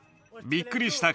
びっくりした。